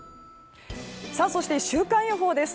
そして、週間予報です。